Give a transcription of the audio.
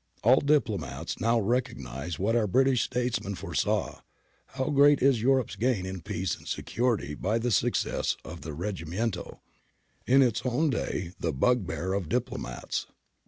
All diplomats now recognise what our British statesmen foresaw, how great is Europe's gain in peace and security by the success of the risorgimento — in its own day the bugbear of diplomats.